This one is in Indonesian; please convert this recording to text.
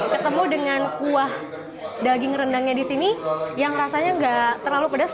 ketemu dengan kuah daging rendangnya disini yang rasanya gak terlalu pedas